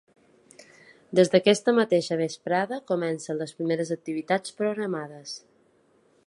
Des d’aquesta mateixa vesprada comencen les primeres activitats programades.